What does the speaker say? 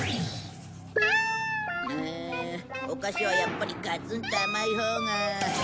うーんお菓子はやっぱりガツンと甘いほうが。